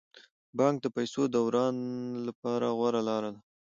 بانک د پيسو د دوران لپاره غوره لاره ده.